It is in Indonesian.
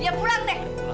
dia pulang deh